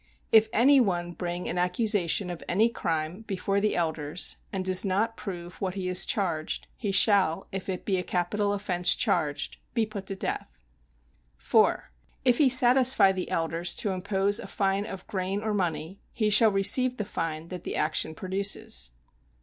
If any one bring an accusation of any crime before the elders, and does not prove what he has charged, he shall, if it be a capital offence charged, be put to death. 4. If he satisfy the elders to impose a fine of grain or money, he shall receive the fine that the action produces.